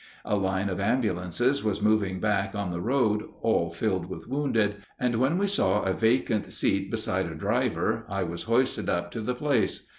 A line of ambulances was moving back on the road, all filled with wounded, and when we saw a vacant seat beside a driver I was hoisted up to the place.